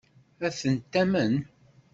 Ad ten-tamen?